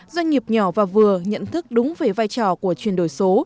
doanh nghiệp nhỏ và vừa nhận thức đúng về vai trò của chuyển đổi số